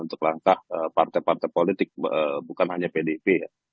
untuk langkah partai partai politik bukan hanya pdip ya